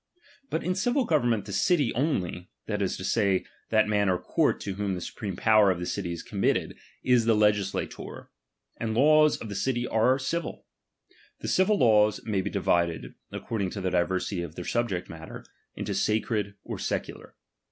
But in civil government the city only, that is to say, that mau or court to whom the supreme power of the city is committed, is the legislator ; and the laws of the city are civil. The civil laws may be divided, according to the diversity of their subject matter, mto sacred or secular.